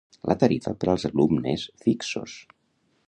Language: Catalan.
La tarifa per als alumnes fixos.